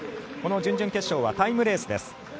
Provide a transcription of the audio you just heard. この準々決勝はタイムレースです。